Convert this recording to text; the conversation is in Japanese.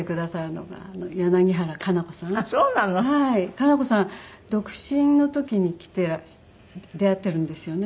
可奈子さん独身の時に来て出会っているんですよね。